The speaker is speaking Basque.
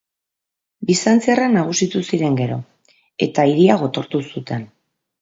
Bizantziarrak nagusitu ziren gero, eta hiria gotortu zuten.